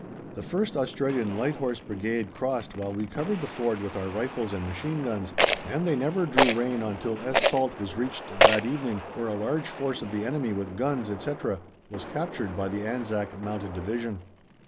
The 1st Australian Light Horse Brigade crossed while we covered the Ford with our rifles and machine guns, and they never drew rein until Es Salt was reached that evening, where a large force of the enemy with guns, etc., was captured by the Anzac Mounted Division.